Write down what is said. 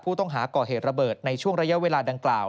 ผู้ต้องหาก่อเหตุระเบิดในช่วงระยะเวลาดังกล่าว